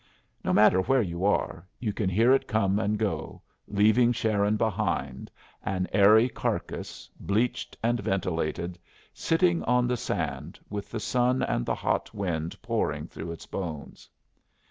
No matter where you are, you can hear it come and go, leaving Sharon behind, an airy carcass, bleached and ventilated, sitting on the sand, with the sun and the hot wind pouring through its bones.